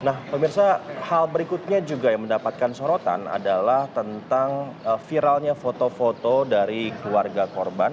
nah pemirsa hal berikutnya juga yang mendapatkan sorotan adalah tentang viralnya foto foto dari keluarga korban